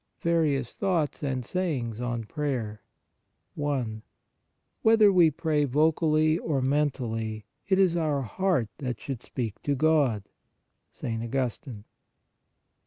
VARIOUS THOUGHTS AND SAYINGS ON PRAYER 1. Whether we pray vocally or mentally, it is our heart that should speak to God (St. Augustine).